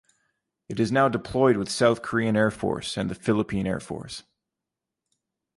It is now deployed with South Korean Air Force and the Philippine Air Force.